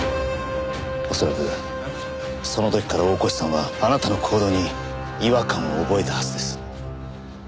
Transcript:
恐らくその時から大河内さんはあなたの行動に違和感を覚えたはずです。